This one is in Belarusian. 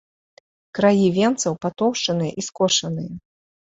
Краі венцаў патоўшчаныя і скошаныя.